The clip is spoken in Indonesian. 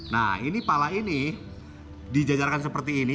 nah ini pala ini dijajarkan seperti ini